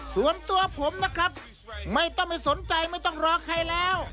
ส่วนตัวผมนะครับไม่ต้องไปสนใจไม่ต้องรอใครแล้ว